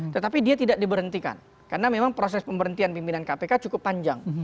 tetapi dia tidak diberhentikan karena memang proses pemberhentian pimpinan kpk cukup panjang